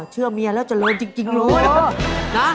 เชื่อเมียแล้วเจริญจริงเลยนะ